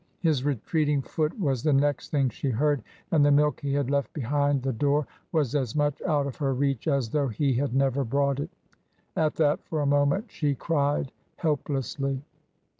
His retreating foot was the next thing she heard, and the milk he had left behind the door was as much out of her reach as though he had never brought it At that, for a moment, she cried helplessly.